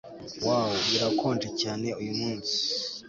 Wow birakonje cyane uyumunsi